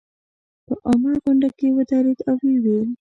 په عامه غونډه کې ودرېد او ویې ویل.